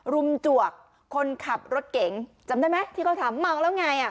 รุมจวกคนขับรถเก๋งจำได้ไหมที่เขาถามเมาแล้วไงอ่ะ